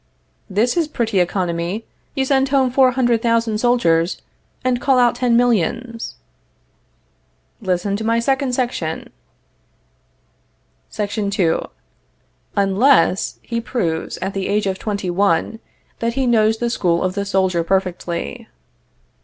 This is pretty economy! You send home four hundred thousand soldiers and call out ten millions. Listen to my second section: SEC. 2. Unless he proves, at the age of twenty one, that he knows the school of the soldier perfectly.